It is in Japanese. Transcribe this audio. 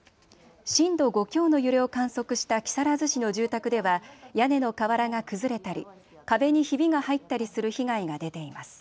震度５強の揺れを観測した木更津市の住宅では屋根の瓦が崩れたり壁にひびが入ったりする被害が出ています。